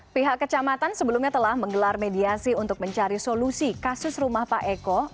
pihak kecamatan sebelumnya telah menggelar mediasi untuk mencari solusi kasus rumah pak eko